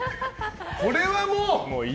これはもう。